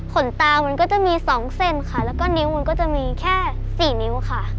ตามันก็จะมีสองเส้นค่ะแล้วก็นิ้วมันก็จะมีแค่สี่นิ้วค่ะ